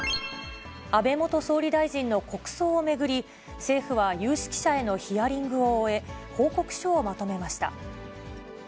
安倍元総理大臣の国葬を巡り、政府は有識者へのヒアリングを終え、報告書をまとめました。